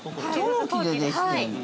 ◆陶器でできてる。